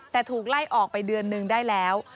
แต่ถูกไล่ออกไปเดือนนึงได้แล้ว